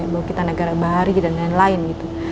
bahwa kita negara bahari dan lain lain gitu